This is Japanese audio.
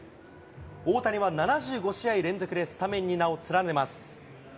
大谷は７５試合連続でスタメンに名を連ねます。